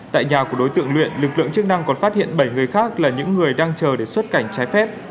tại nhà của đối tượng luyện lực lượng chức năng còn phát hiện bảy người khác là những người đang chờ để xuất cảnh trái phép